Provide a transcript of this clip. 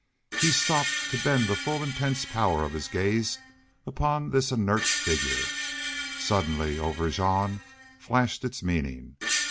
He stopped to bend the full intense power of his gaze upon this inert figure. Suddenly over Jean flashed its meaning.